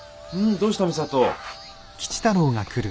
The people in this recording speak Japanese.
どうした美里？